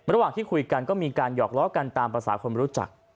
ระหว่างที่คุยกันก็มีการหอกล้อกันตามภาษาคนรู้จัก